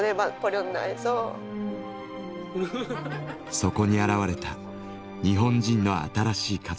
そこに現れた日本人の新しい家族。